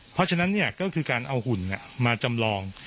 เพราะฉะนั้นก็คือการเอาหุ่นมาจำลอง